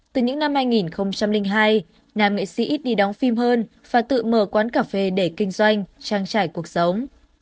từ những năm hai nghìn hai nam nghệ sĩ đi đóng phim hơn và tự mở quán cà phê để kinh doanh trang trải cuộc sống